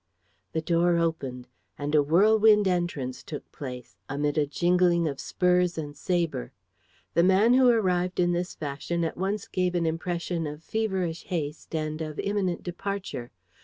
The door opened. And a whirlwind entrance took place, amid a jingling of spurs and saber. The man who arrived in this fashion at once gave an impression of feverish haste and of imminent departure.